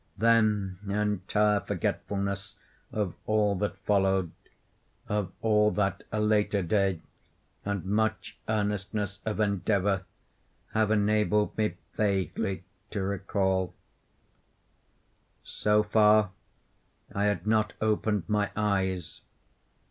Then entire forgetfulness of all that followed; of all that a later day and much earnestness of endeavor have enabled me vaguely to recall. So far, I had not opened my eyes.